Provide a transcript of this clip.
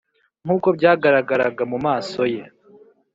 nkuko byagaragaraga mu maso ye,